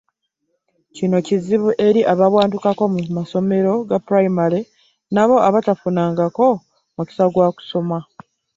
Kino kizibu eri abaawanduka mu masomero ga pulayimale n’abo abatafunangako mukisa gwa kusoma.